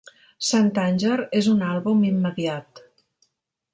St. Anger és un àlbum immediat.